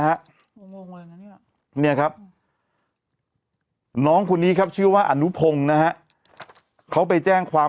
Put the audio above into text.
ครับเนี่ยครับน้องคุณนี้ครับชื่อว่าอนุพงศ์นะเขาไปแจ้งความ